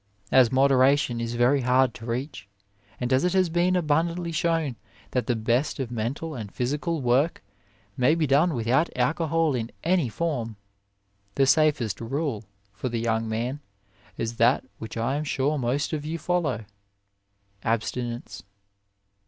As moderation is very hard to reach, and as it has been abundantly shown that the best of mental and physical work may be done without alcohol in any form, the safest rule for the young man is that which I am sure most of you follow abstin ence.